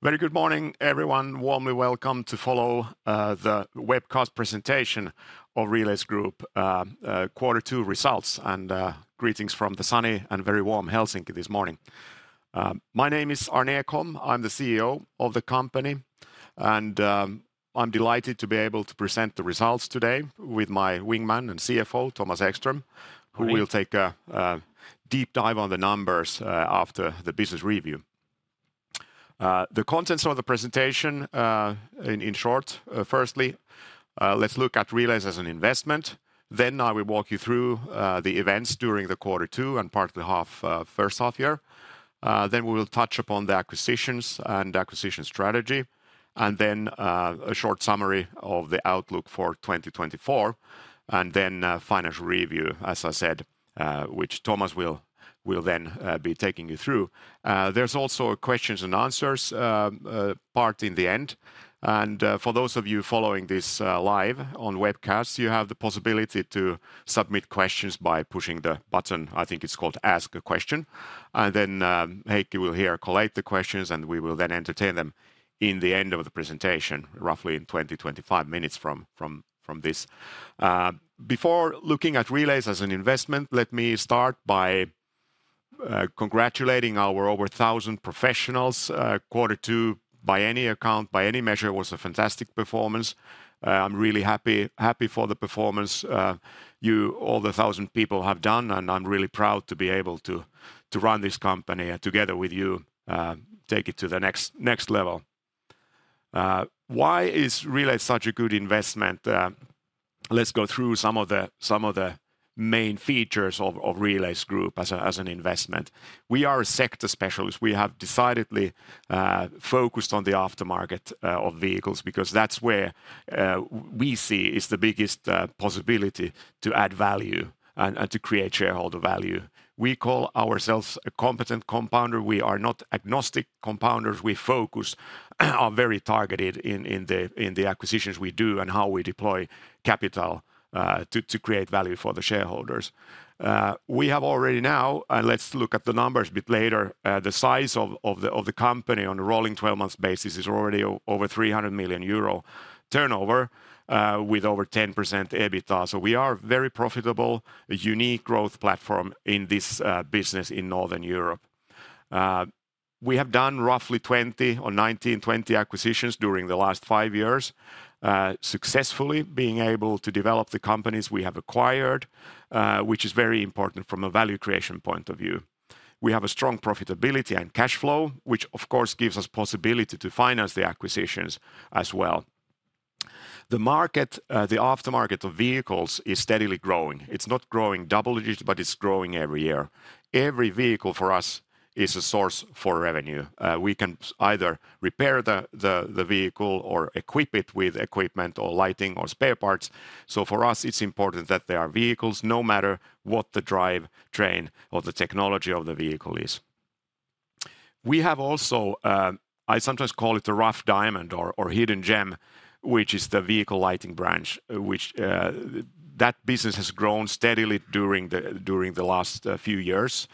Very good morning, everyone. Warmly welcome to follow the webcast presentation of Relais Group, Quarter Two results, and greetings from the sunny and very warm Helsinki this morning. My name is Arni Ekholm. I'm the CEO of the company, and I'm delighted to be able to present the results today with my wingman and CFO, Thomas Ekström. Hi who will take a deep dive on the numbers after the business review. The contents of the presentation, in short, firstly, let's look at Relais as an investment. Then I will walk you through the events during Quarter Two and part of the half, first half year. Then we will touch upon the acquisitions and acquisition strategy, and then a short summary of the outlook for 2024, and then financial review, as I said, which Thomas will then be taking you through. There's also questions and answers part in the end, and for those of you following this live on webcast, you have the possibility to submit questions by pushing the button. I think it's called Ask a Question, and then Heikki will here collate the questions, and we will then entertain them in the end of the presentation, roughly in 20-25 minutes from this. Before looking at Relais as an investment, let me start by congratulating our over 1,000 professionals. Quarter Two, by any account, by any measure, was a fantastic performance. I'm really happy, happy for the performance, all the 1,000 people have done, and I'm really proud to be able to run this company together with you, take it to the next, next level. Why is Relais such a good investment? Let's go through some of the main features of Relais Group as an investment. We are a sector specialist. We have decidedly focused on the aftermarket of vehicles, because that's where we see is the biggest possibility to add value and to create shareholder value. We call ourselves a competent compounder. We are not agnostic compounders. We focus, are very targeted in the acquisitions we do and how we deploy capital to create value for the shareholders. We have already now. Let's look at the numbers a bit later. The size of the company on a rolling 12-month basis is already over 300 million euro turnover, with over 10% EBITDA. So we are very profitable, a unique growth platform in this business in Northern Europe. We have done roughly 20 or 19, 20 acquisitions during the last five years, successfully being able to develop the companies we have acquired, which is very important from a value creation point of view. We have a strong profitability and cash flow, which of course, gives us possibility to finance the acquisitions as well. The market, the aftermarket of vehicles is steadily growing. It's not growing double digits, but it's growing every year. Every vehicle for us is a source for revenue. We can either repair the vehicle or equip it with equipment or lighting or spare parts. So for us, it's important that there are vehicles, no matter what the drive train or the technology of the vehicle is. We have also, I sometimes call it a rough diamond or hidden gem, which is the vehicle lighting branch, which that business has grown steadily during the last few years.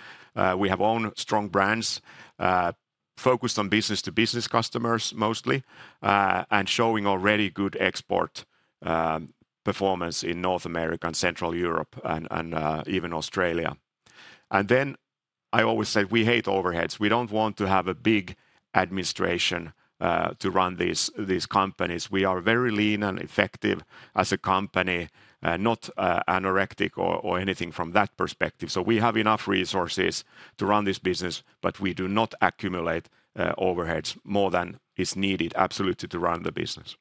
We have own strong brands focused on business-to-business customers, mostly, and showing already good export performance in North America and Central Europe and even Australia. And then, I always say we hate overheads. We don't want to have a big administration to run these companies. We are very lean and effective as a company, not anorectic or anything from that perspective. So we have enough resources to run this business, but we do not accumulate overheads more than is needed absolutely to run the business.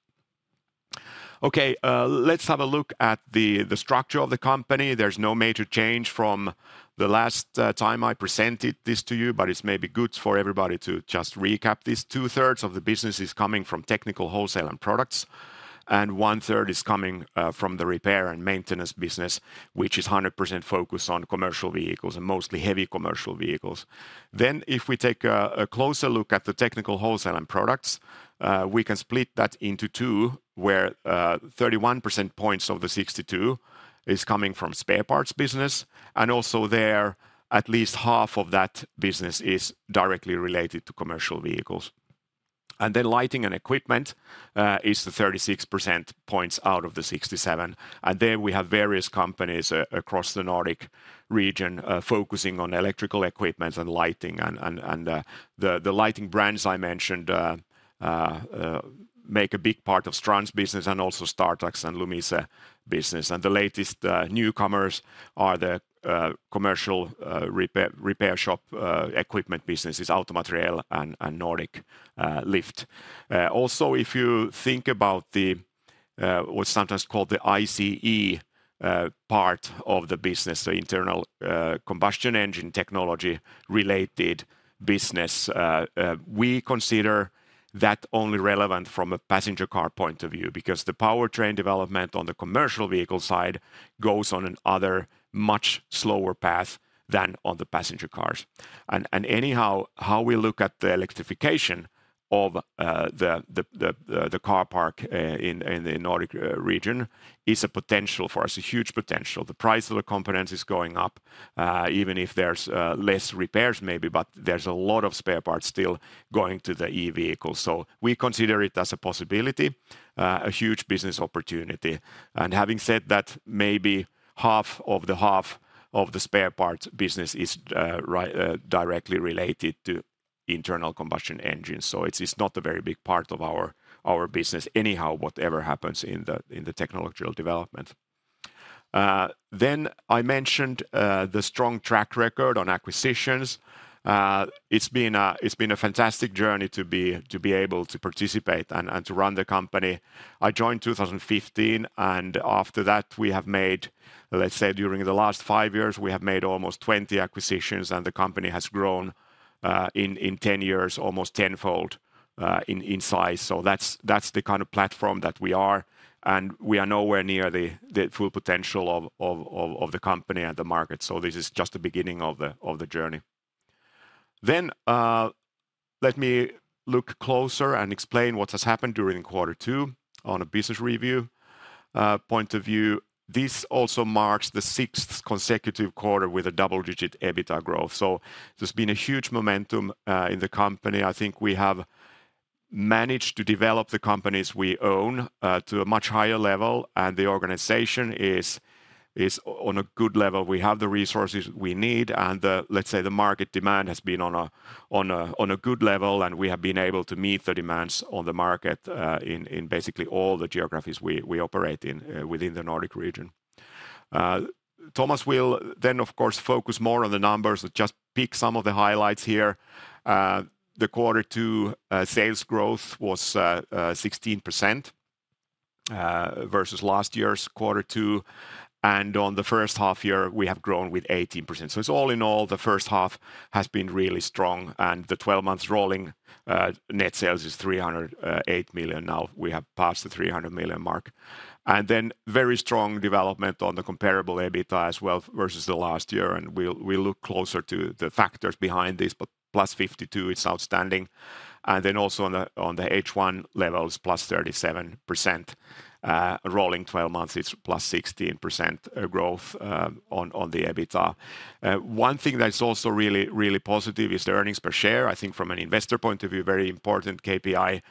Okay, let's have a look at the structure of the company. There's no major change from the last time I presented this to you, but it's maybe good for everybody to just recap this. Two-thirds of the business is coming from technical wholesale and products, and one-third is coming from the repair and maintenance business, which is 100% focused on commercial vehicles and mostly heavy commercial vehicles. Then, if we take a closer look at the technical wholesale and products, we can split that into two, where 31 percentage points of the 62 is coming from spare parts business, and also there, at least half of that business is directly related to commercial vehicles. And then lighting and equipment is the 36 percentage points out of the 67. And then we have various companies across the Nordic region, focusing on electrical equipment and lighting and the lighting brands I mentioned make a big part of Strands business and also Startax and Lumise business. And the latest newcomers are the commercial repair shop equipment businesses, Auto-Materiell and Nordic Lift. Also, if you think about what's sometimes called the ICE part of the business, so internal combustion engine technology-related business, we consider that only relevant from a passenger car point of view, because the powertrain development on the commercial vehicle side goes on another much slower path than on the passenger cars. And anyhow, how we look at the electrification?... of the car park in the Nordic region is a potential for us, a huge potential. The price of the components is going up, even if there's less repairs maybe, but there's a lot of spare parts still going to the e-vehicles. So we consider it as a possibility, a huge business opportunity. And having said that, maybe half of the half of the spare parts business is right directly related to internal combustion engines, so it's not a very big part of our business anyhow, whatever happens in the technological development. Then I mentioned the strong track record on acquisitions. It's been a fantastic journey to be able to participate and to run the company. I joined 2015, and after that, we have made, let's say, during the last 5 years, we have made almost 20 acquisitions, and the company has grown, in 10 years, almost 10-fold, in size. So that's the kind of platform that we are, and we are nowhere near the full potential of the company and the market. So this is just the beginning of the journey. Then, let me look closer and explain what has happened during quarter two on a business review point of view. This also marks the sixth consecutive quarter with a double-digit EBITDA growth, so there's been a huge momentum in the company. I think we have managed to develop the companies we own to a much higher level, and the organization is on a good level. We have the resources we need, and the, let's say, the market demand has been on a good level, and we have been able to meet the demands on the market in basically all the geographies we operate in within the Nordic region. Thomas will then, of course, focus more on the numbers and just pick some of the highlights here. The quarter two sales growth was 16% versus last year's quarter two, and on the first half year, we have grown with 18%. So it's all in all, the first half has been really strong, and the twelve months rolling net sales is 308 million now. We have passed the 300 million mark. Very strong development on the comparable EBITDA as well versus the last year, and we'll look closer to the factors behind this. But +52, it's outstanding. And then also on the H1 levels, +37%. Rolling 12 months, it's +16% growth on the EBITDA. One thing that is also really, really positive is the earnings per share. I think from an investor point of view, a very important KPI,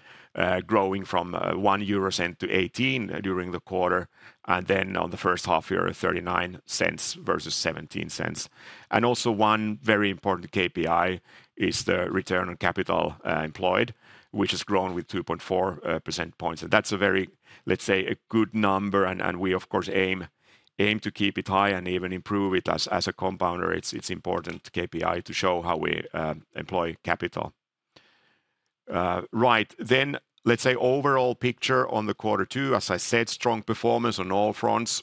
growing from 0.01 to 0.18 during the quarter, and then on the first half year, 0.39 versus 0.17. And also, one very important KPI is the return on capital employed, which has grown with 2.4 percent points. That's a very, let's say, a good number, and we of course aim to keep it high and even improve it. As a compounder, it's important KPI to show how we employ capital. Right. Then, let's say, overall picture on the quarter two, as I said, strong performance on all fronts,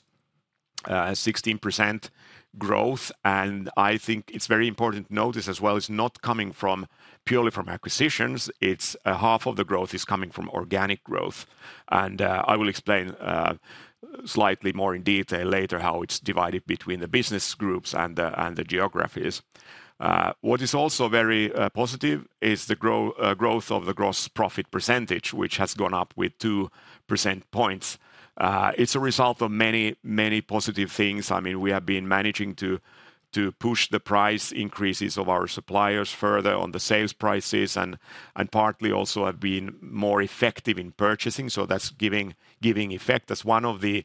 16% growth, and I think it's very important to note this as well, it's not coming purely from acquisitions. It's half of the growth is coming from organic growth, and I will explain slightly more in detail later how it's divided between the business groups and the geographies. What is also very positive is the growth of the gross profit percentage, which has gone up with two percentage points. It's a result of many, many positive things. I mean, we have been managing to push the price increases of our suppliers further on the sales prices and partly also have been more effective in purchasing, so that's giving effect. That's one of the,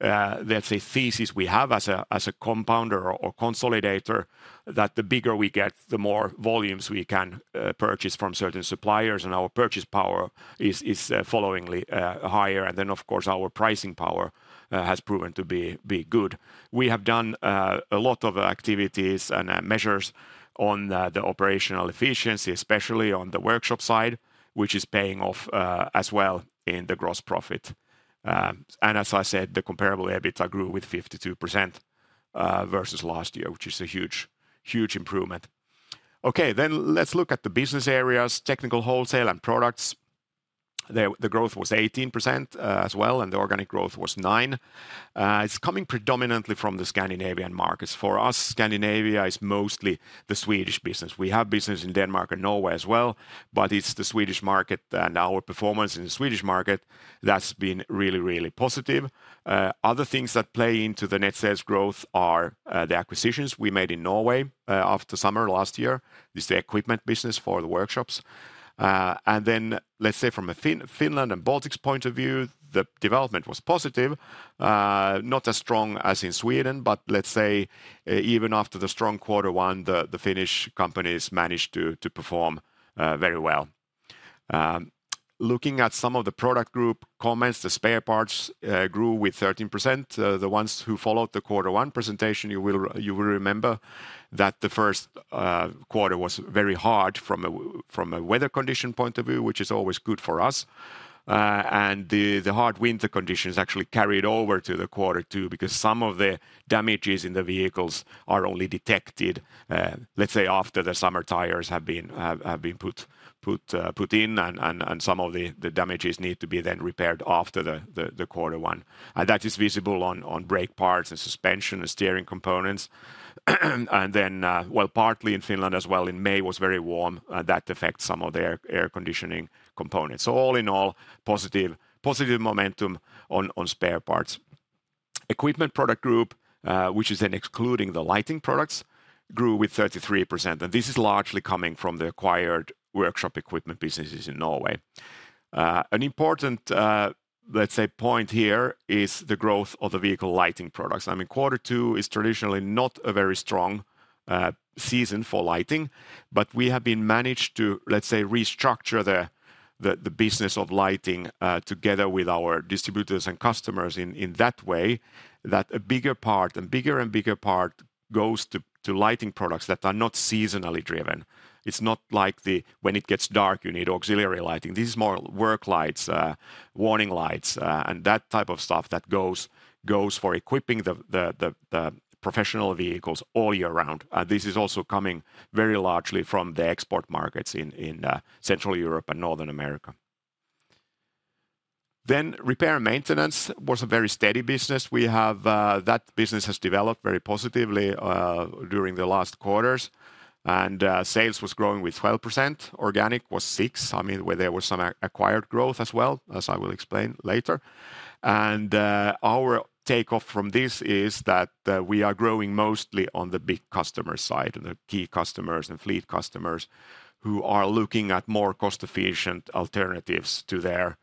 let's say, thesis we have as a compounder or consolidator, that the bigger we get, the more volumes we can purchase from certain suppliers, and our purchase power is followingly higher. And then, of course, our pricing power has proven to be good. We have done a lot of activities and measures on the operational efficiency, especially on the workshop side, which is paying off as well in the gross profit. And as I said, the comparable EBITDA grew with 52% versus last year, which is a huge, huge improvement. Okay, then let's look at the business areas, technical wholesale and products. The growth was 18% as well, and the organic growth was 9%. It's coming predominantly from the Scandinavian markets. For us, Scandinavia is mostly the Swedish business. We have business in Denmark and Norway as well, but it's the Swedish market and our performance in the Swedish market that's been really, really positive. Other things that play into the net sales growth are the acquisitions we made in Norway after summer last year. It's the equipment business for the workshops. And then, let's say from a Finland and Baltics point of view, the development was positive. Not as strong as in Sweden, but let's say, even after the strong quarter one, the Finnish companies managed to perform very well. Looking at some of the product group comments, the spare parts grew with 13%. The ones who followed the quarter one presentation, you will, you will remember that the first quarter was very hard from a weather condition point of view, which is always good for us. And the hard winter conditions actually carried over to the quarter two, because some of the damages in the vehicles are only detected, let's say, after the summer tires have been put in, and some of the damages need to be then repaired after the quarter one. And that is visible on brake parts and suspension and steering components. Well, partly in Finland as well, in May was very warm, that affects some of the air conditioning components. So all in all, positive momentum on spare parts. Equipment product group, which is then excluding the lighting products, grew with 33%, and this is largely coming from the acquired workshop equipment businesses in Norway. An important, let's say, point here is the growth of the vehicle lighting products. I mean, quarter two is traditionally not a very strong season for lighting, but we have been managed to, let's say, restructure the business of lighting, together with our distributors and customers in that way, that a bigger part, and bigger and bigger part goes to lighting products that are not seasonally driven. It's not like the when it gets dark, you need auxiliary lighting. This is more work lights, warning lights, and that type of stuff that goes for equipping the professional vehicles all year round. And this is also coming very largely from the export markets in Central Europe and North America. Then repair and maintenance was a very steady business. We have that business has developed very positively during the last quarters, and sales was growing with 12%, organic was 6%. I mean, where there was some acquired growth as well, as I will explain later. And our takeaway from this is that we are growing mostly on the big customer side, the key customers and fleet customers, who are looking at more cost-efficient alternatives to their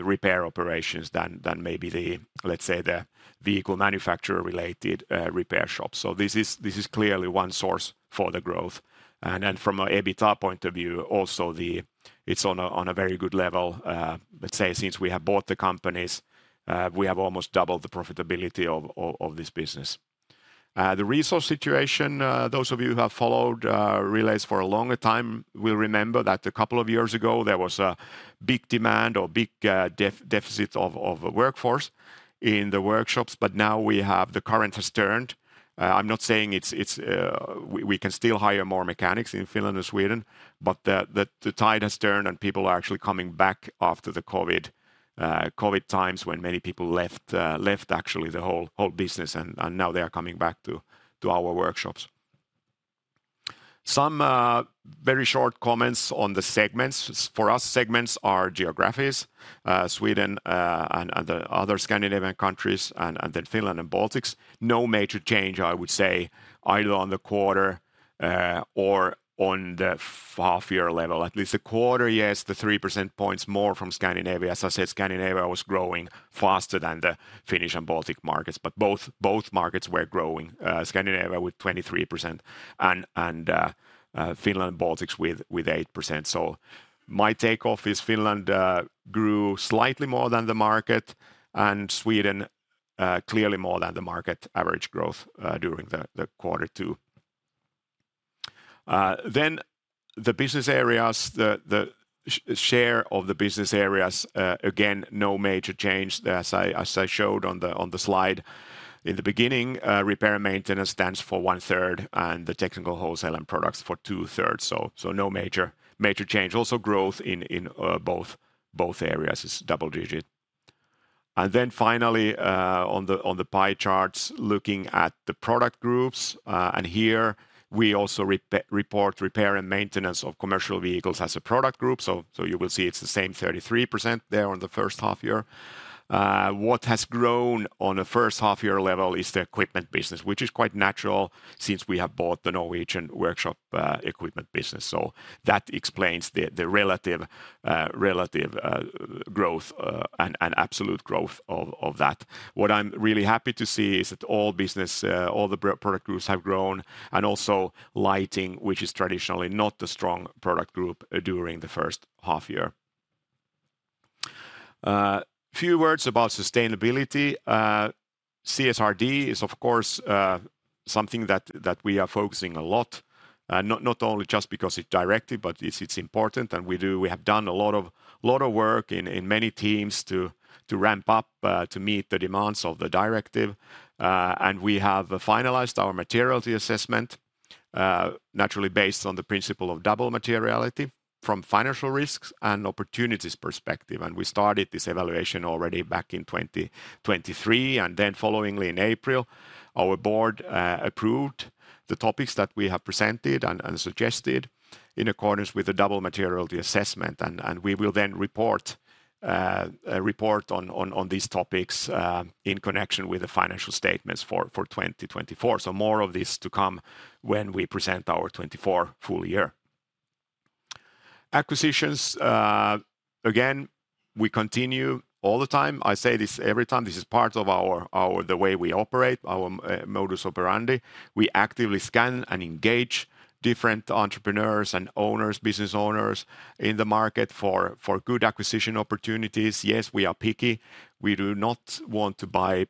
repair operations than maybe the, let's say, the vehicle manufacturer-related repair shops. So this is clearly one source for the growth. And then from an EBITDA point of view, also it's on a very good level. Let's say, since we have bought the companies, we have almost doubled the profitability of this business. The resource situation, those of you who have followed Relais for a longer time will remember that a couple of years ago, there was a big demand or big deficit of workforce in the workshops, but now, the current has turned. I'm not saying it's. We can still hire more mechanics in Finland and Sweden, but the tide has turned, and people are actually coming back after the COVID times, when many people left actually the whole business, and now they are coming back to our workshops. Some very short comments on the segments. For us, segments are geographies. Sweden and the other Scandinavian countries, and then Finland and Baltics. No major change, I would say, either on the quarter or on the half year level. At least a quarter, yes, the three percentage points more from Scandinavia. As I said, Scandinavia was growing faster than the Finnish and Baltic markets, but both markets were growing. Scandinavia with 23% and Finland and Baltics with 8%. My takeaway is Finland grew slightly more than the market, and Sweden clearly more than the market average growth during the quarter two. Then the business areas, the share of the business areas again, no major change. As I showed on the slide in the beginning, repair and maintenance stands for one third, and the technical wholesale and products for two thirds. So no major change. Also, growth in both areas is double digits. And then finally, on the pie charts, looking at the product groups, and here we also report repair and maintenance of commercial vehicles as a product group. So you will see it's the same 33% there on the first half year. What has grown on a first half year level is the equipment business, which is quite natural since we have bought the Norwegian workshop equipment business, so that explains the relative growth and absolute growth of that. What I'm really happy to see is that all the product groups have grown, and also lighting, which is traditionally not the strong product group during the first half year. Few words about sustainability. CSRD is, of course, something that we are focusing a lot, not only just because it's directive, but it's important. And we have done a lot of work in many teams to ramp up to meet the demands of the directive. We have finalized our materiality assessment, naturally based on the principle of double materiality from financial risks and opportunities perspective, and we started this evaluation already back in 2023. Then following in April, our board approved the topics that we have presented and suggested in accordance with the double materiality assessment. We will then report a report on these topics in connection with the financial statements for 2024. So more of this to come when we present our 2024 full year. Acquisitions, again, we continue all the time. I say this every time. This is part of our the way we operate, our modus operandi. We actively scan and engage different entrepreneurs and owners, business owners in the market for good acquisition opportunities. Yes, we are picky. We do not want to buy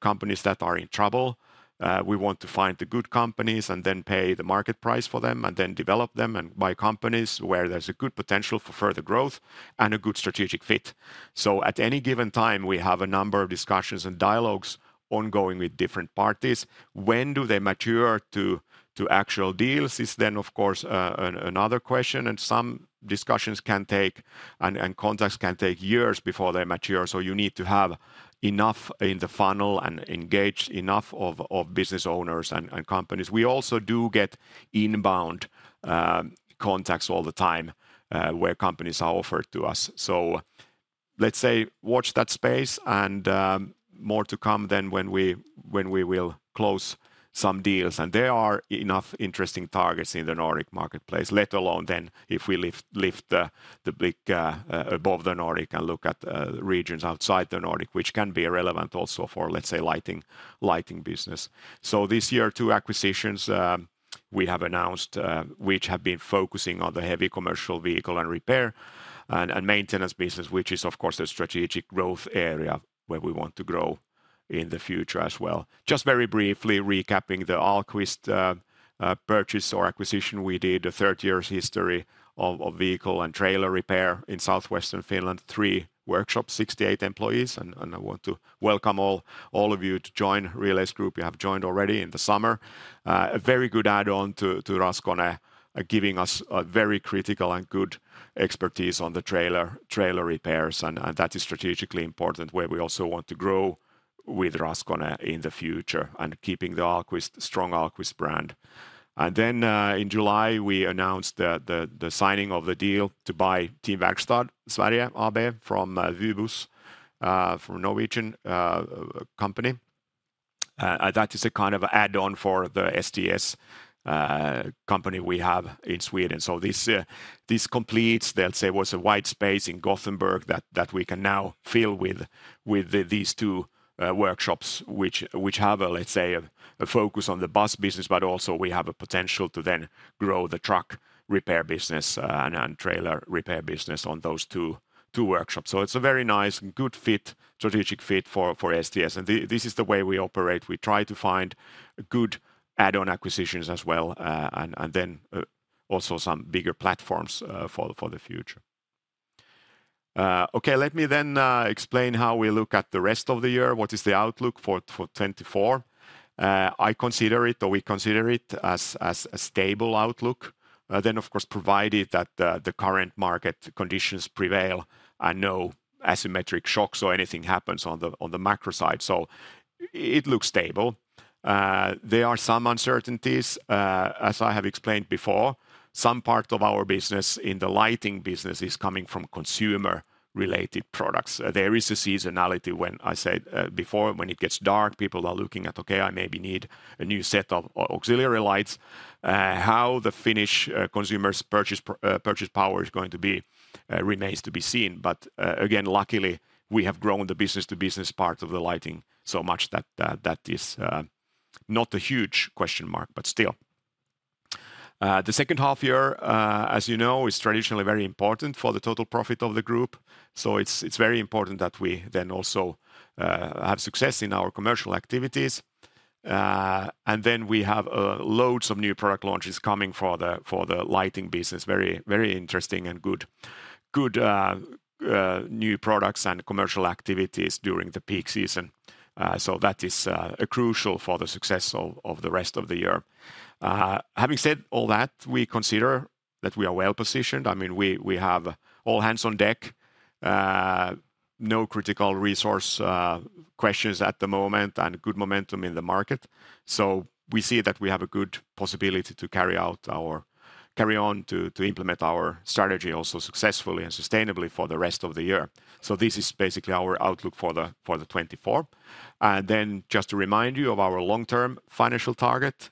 companies that are in trouble. We want to find the good companies and then pay the market price for them, and then develop them, and buy companies where there's a good potential for further growth and a good strategic fit. So at any given time, we have a number of discussions and dialogues ongoing with different parties. When do they mature to actual deals is then, of course, another question, and some discussions can take and contacts can take years before they mature. So you need to have enough in the funnel and engage enough of business owners and companies. We also do get inbound contacts all the time, where companies are offered to us. Let's say, watch that space and more to come then when we will close some deals. And there are enough interesting targets in the Nordic marketplace, let alone then if we lift the blinkers above the Nordic and look at regions outside the Nordic, which can be relevant also for, let's say, lighting business. So this year, 2 acquisitions we have announced, which have been focusing on the heavy commercial vehicle and repair and maintenance business, which is, of course, a strategic growth area where we want to grow in the future as well. Just very briefly recapping the Ahlqvist purchase or acquisition we did, a 30 years history of vehicle and trailer repair in southwestern Finland. 3 workshops, 68 employees, and I want to welcome all of you to join Relais Group. You have joined already in the summer. A very good add-on to Raskone, giving us a very critical and good expertise on the trailer, trailer repairs, and that is strategically important, where we also want to grow with Raskone in the future and keeping the Ahlqvist, strong Ahlqvist brand. And then in July, we announced the signing of the deal to buy Team Verkstad Sverige AB from Vy Buss, from Norwegian company. That is a kind of add-on for the STS company we have in Sweden. So this completes, let's say, was a wide space in Gothenburg that we can now fill with these two workshops, which have a, let's say, a focus on the bus business, but also we have a potential to then grow the truck repair business and trailer repair business on those two workshops. So it's a very nice, good fit, strategic fit for STS. And this is the way we operate. We try to find good add-on acquisitions as well and then also some bigger platforms for the future. Okay, let me then explain how we look at the rest of the year. What is the outlook for 2024? I consider it, or we consider it as a stable outlook. Then, of course, provided that the current market conditions prevail and no asymmetric shocks or anything happens on the macro side. So it looks stable. There are some uncertainties. As I have explained before, some part of our business in the lighting business is coming from consumer-related products. There is a seasonality when I said before, when it gets dark, people are looking at, "Okay, I maybe need a new set of auxiliary lights." How the Finnish consumers' purchase power is going to be remains to be seen. But again, luckily, we have grown the business-to-business part of the lighting so much that that is not a huge question mark, but still. The second half year, as you know, is traditionally very important for the total profit of the group. So it's very important that we then also have success in our commercial activities. And then we have loads of new product launches coming for the lighting business. Very interesting and good new products and commercial activities during the peak season. So that is crucial for the success of the rest of the year. Having said all that, we consider that we are well positioned. I mean, we have all hands on deck, no critical resource questions at the moment, and good momentum in the market. So we see that we have a good possibility to carry out our strategy also successfully and sustainably for the rest of the year. So this is basically our outlook for the 2024. And then, just to remind you of our long-term financial target,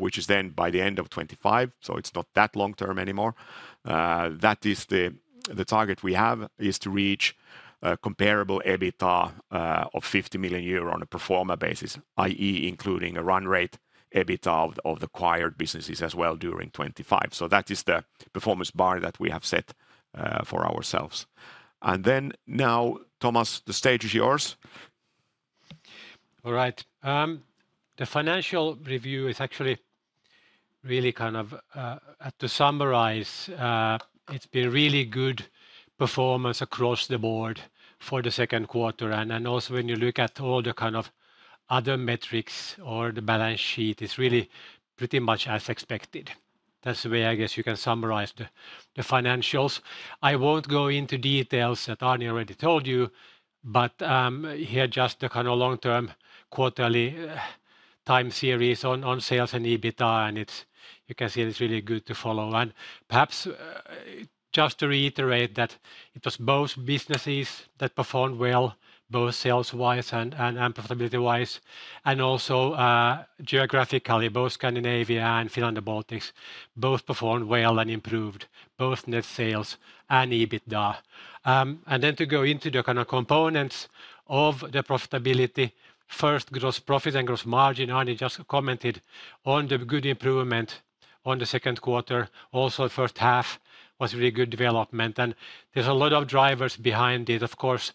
which is then by the end of 2025, so it's not that long term anymore. That is the, the target we have, is to reach a comparable EBITDA of 50 million euro on a pro forma basis, i.e., including a run rate, EBITDA of the acquired businesses as well during 2025. So that is the performance bar that we have set for ourselves. And then now, Thomas, the stage is yours. All right. The financial review is actually really kind of, to summarize, it's been really good performance across the board for the second quarter. And then, also, when you look at all the kind of other metrics or the balance sheet, it's really pretty much as expected. That's the way I guess you can summarize the, the financials. I won't go into details that Arni already told you, but, here, just the kind of long-term quarterly, time series on, on sales and EBITDA, and it's, you can see it's really good to follow. And perhaps, just to reiterate that it was both businesses that performed well, both sales-wise and, and, and profitability-wise, and also, geographically, both Scandinavia and Finland, the Baltics, both performed well and improved both net sales and EBITDA. Then, to go into the kind of components of the profitability, first, gross profit and gross margin. Arni just commented on the good improvement on the second quarter. Also, first half was really good development, and there's a lot of drivers behind it. Of course,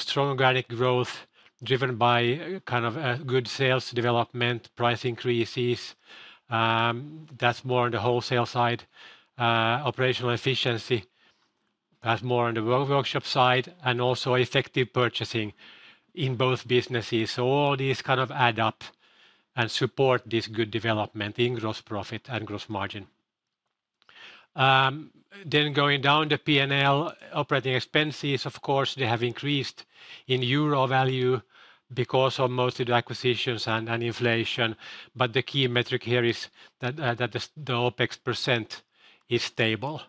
strong organic growth, driven by kind of a good sales development, price increases. That's more on the wholesale side. Operational efficiency, that's more on the workshop side, and also effective purchasing in both businesses. So all these kind of add up and support this good development in gross profit and gross margin. Then, going down the PNL, operating expenses, of course, they have increased in euro value because of mostly the acquisitions and inflation. But the key metric here is that the OpEx percent is stable,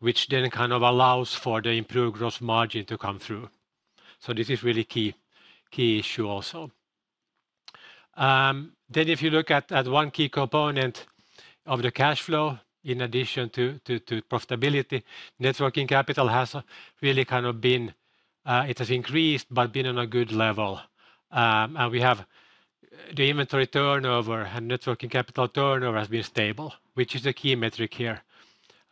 which then kind of allows for the improved gross margin to come through. So this is really key, key issue also. Then if you look at one key component of the cash flow, in addition to profitability, net working capital has really kind of been, it has increased but been on a good level. And we have the inventory turnover and net working capital turnover has been stable, which is a key metric here.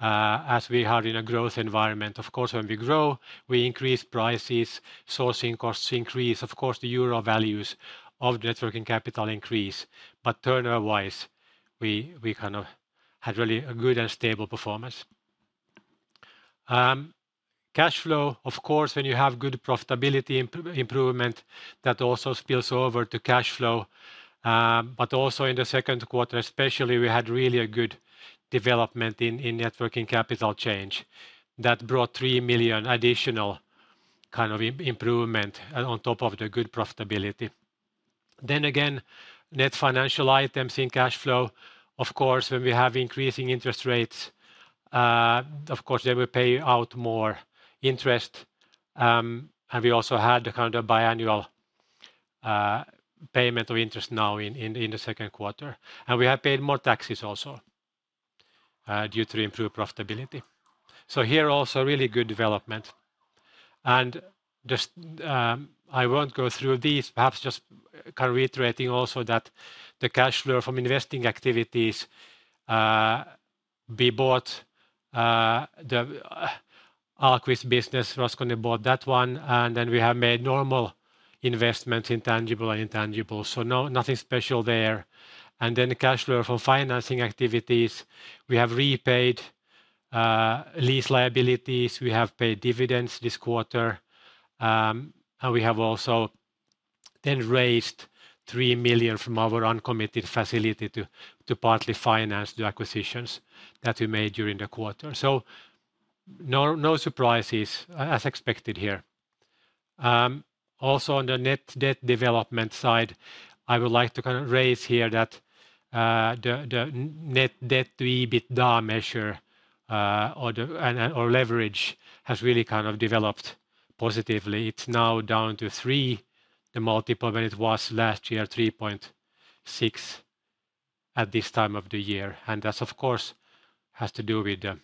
As we are in a growth environment, of course, when we grow, we increase prices, sourcing costs increase. Of course, the euro values of net working capital increase, but turnover-wise, we kind of had really a good and stable performance. Cash flow, of course, when you have good profitability improvement, that also spills over to cash flow. But also in the second quarter especially, we had really a good development in net working capital change. That brought 3 million additional kind of improvement on top of the good profitability. Then again, net financial items in cash flow, of course, when we have increasing interest rates, of course, they will pay out more interest. And we also had the kind of biannual payment of interest now in the second quarter. And we have paid more taxes also due to improved profitability. So here also, really good development. I won't go through these, perhaps just kind of reiterating also that the cash flow from investing activities, we bought the Ahlqvist business, Raskone bought that one, and then we have made normal investments in tangible and intangible, so nothing special there. Then the cash flow from financing activities, we have repaid lease liabilities, we have paid dividends this quarter, and we have also then raised 3 million from our uncommitted facility to partly finance the acquisitions that we made during the quarter. So no surprises, as expected here. Also on the net debt development side, I would like to kind of raise here that the net debt to EBITDA measure or the leverage has really kind of developed positively. It's now down to 3, the multiple, when it was last year, 3.6 at this time of the year, and that, of course, has to do with the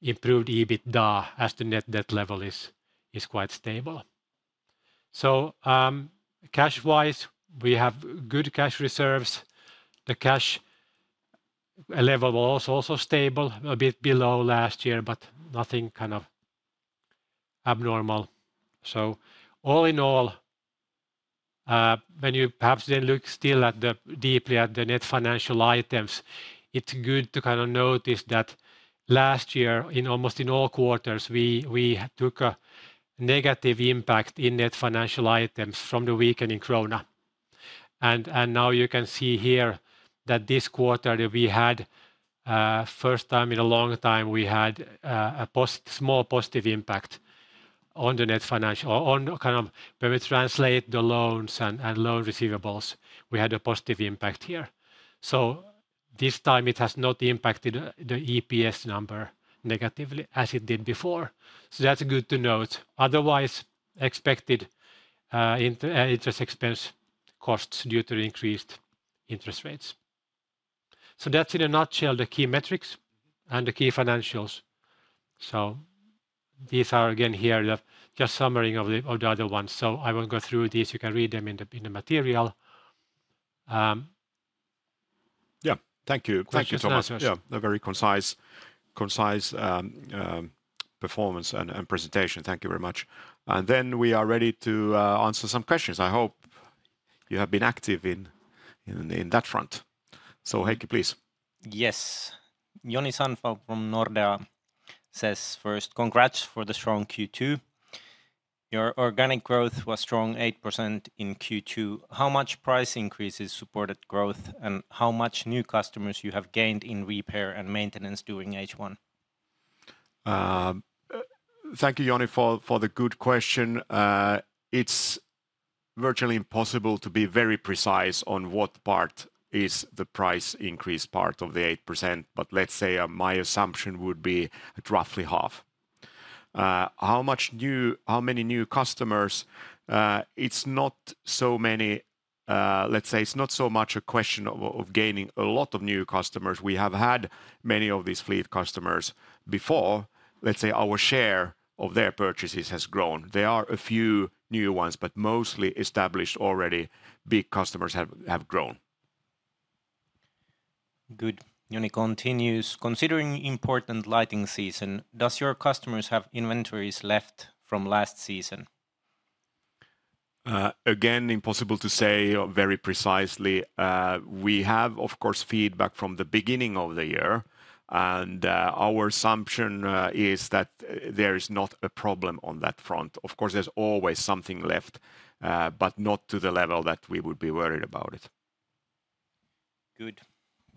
improved EBITDA, as the net debt level is quite stable. So, cash-wise, we have good cash reserves. The cash level was also stable, a bit below last year, but nothing kind of abnormal. So all in all, when you perhaps then look still at the, deeply at the net financial items, it's good to kind of notice that last year, in almost all quarters, we took a negative impact in net financial items from the weakening krona. Now you can see here that this quarter, we had first time in a long time, we had a small positive impact on the net financial on kind of when we translate the loans and loan receivables, we had a positive impact here. So this time it has not impacted the EPS number negatively as it did before. So that's good to note. Otherwise, expected interest expense costs due to increased interest rates. So that's in a nutshell, the key metrics and the key financials. So these are, again, here, the just summary of the other ones, so I won't go through these. You can read them in the material. Yeah. Thank you. Thank you so much. Yeah, a very concise performance and presentation. Thank you very much. And then we are ready to answer some questions. I hope you have been active in that front. So, Heikki, please. Yes. Joni Sandvall from Nordea says, "First, congrats for the strong Q2. Your organic growth was strong 8% in Q2. How much price increases supported growth, and how much new customers you have gained in repair and maintenance during H1? Thank you, Joni, for the good question. It's virtually impossible to be very precise on what part is the price increase part of the 8%, but let's say my assumption would be roughly half. How many new customers? It's not so many. Let's say it's not so much a question of gaining a lot of new customers. We have had many of these fleet customers before. Let's say our share of their purchases has grown. There are a few new ones, but mostly established already. Big customers have grown. Good. Joni continues, "Considering important lighting season, does your customers have inventories left from last season? Again, impossible to say very precisely. We have, of course, feedback from the beginning of the year, and our assumption is that there is not a problem on that front. Of course, there's always something left, but not to the level that we would be worried about it. Good.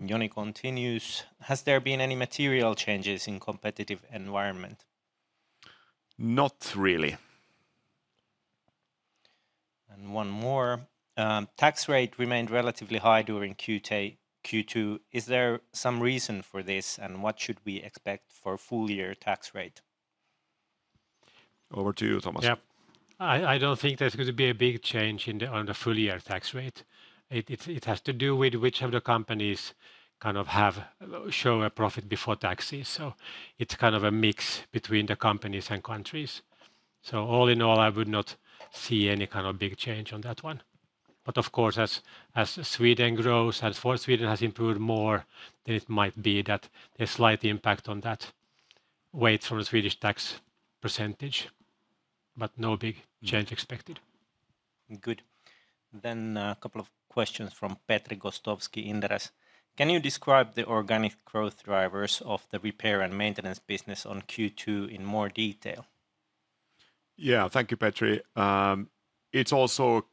Joni continues, "Has there been any material changes in competitive environment? Not really. One more: "Tax rate remained relatively high during Q2. Is there some reason for this, and what should we expect for full-year tax rate? Over to you, Thomas. Yeah. I don't think there's going to be a big change on the full-year tax rate. It has to do with which of the companies kind of have show a profit before taxes, so it's kind of a mix between the companies and countries. So all in all, I would not see any kind of big change on that one. But of course, as Sweden grows, as far as Sweden has improved more, then it might be that a slight impact on that weight from the Swedish tax percentage, but no big change expected. Good. Then, a couple of questions from Petri Gostowski, Inderes. Can you describe the organic growth drivers of the repair and maintenance business on Q2 in more detail? Yeah. Thank you, Petri. It's also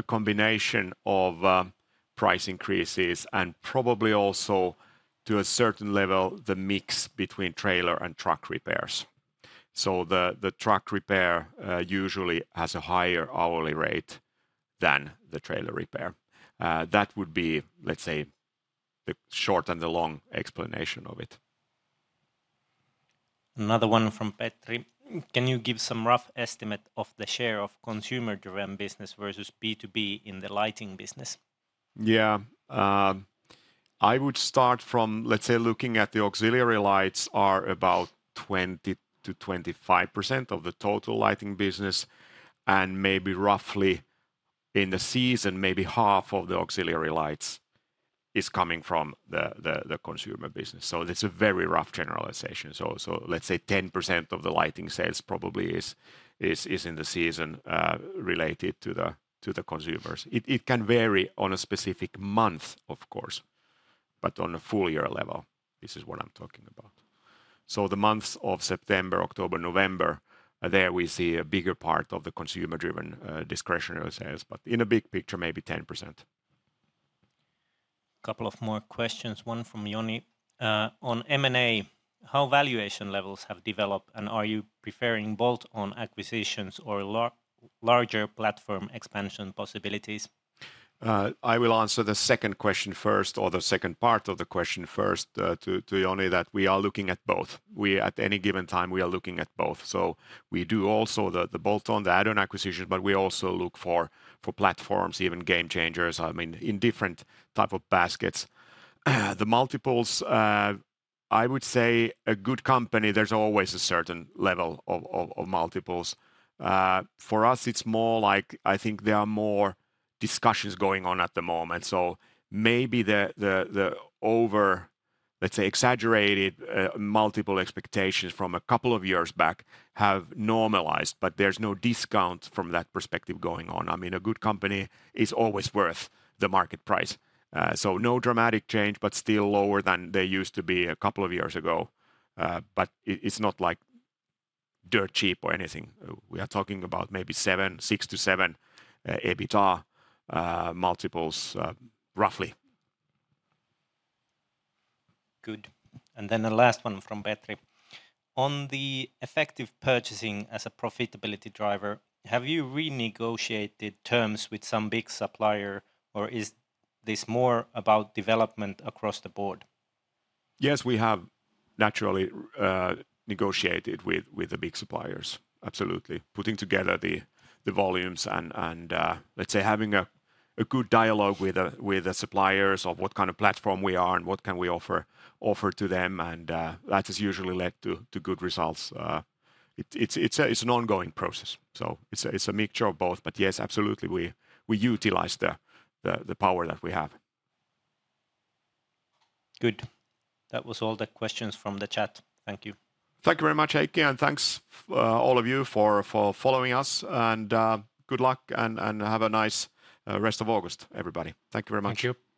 a combination of price increases and probably also, to a certain level, the mix between trailer and truck repairs. So the truck repair usually has a higher hourly rate than the trailer repair. That would be, let's say, the short and the long explanation of it. Another one from Petri. "Can you give some rough estimate of the share of consumer-driven business versus B2B in the lighting business? Yeah. I would start from, let's say, looking at the auxiliary lights are about 20%-25% of the total lighting business, and maybe roughly in the season, maybe half of the auxiliary lights is coming from the, the consumer business. So it's a very rough generalization. So let's say 10% of the lighting sales probably is in the season related to the consumers. It can vary on a specific month, of course, but on a full year level, this is what I'm talking about. So the months of September, October, November, there we see a bigger part of the consumer-driven discretionary sales, but in a big picture, maybe 10%. Couple of more questions, one from Joni. "On M&A, how valuation levels have developed, and are you preferring bolt-on acquisitions or larger platform expansion possibilities? I will answer the second question first, or the second part of the question first, to Joni, that we are looking at both. We, at any given time, we are looking at both, so we do also the bolt-on, the add-on acquisition, but we also look for platforms, even game changers, I mean, in different type of baskets. The multiples, I would say a good company, there's always a certain level of multiples. For us, it's more like... I think there are more discussions going on at the moment. So maybe the over, let's say, exaggerated multiple expectations from a couple of years back have normalized, but there's no discount from that perspective going on. I mean, a good company is always worth the market price. No dramatic change, but still lower than they used to be a couple of years ago. It's not like dirt cheap or anything. We are talking about maybe 7, 6-7x EBITDA multiples, roughly. Good. And then the last one from Petri: "On the effective purchasing as a profitability driver, have you renegotiated terms with some big supplier, or is this more about development across the board? Yes, we have naturally negotiated with the big suppliers, absolutely. Putting together the volumes and, let's say, having a good dialogue with the suppliers of what kind of platform we are and what we can offer to them, and that has usually led to good results. It is an ongoing process, so it is a mixture of both. But yes, absolutely, we utilize the power that we have. Good. That was all the questions from the chat. Thank you. Thank you very much, Heikki, and thanks, all of you for following us, and good luck and have a nice rest of August, everybody. Thank you very much. Thank you.